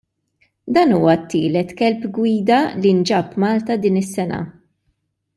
Dan huwa t-tielet kelb gwida li nġab Malta din is-sena.